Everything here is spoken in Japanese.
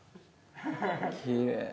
きれい。